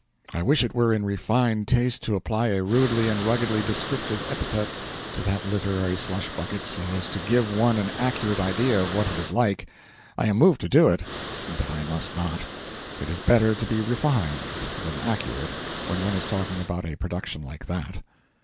I wish it were in refined taste to apply a rudely and ruggedly descriptive epithet to that literary slush bucket, so as to give one an accurate idea of what it is like. I am moved to do it, but I must not: it is better to be refined than accurate when one is talking about a production like that.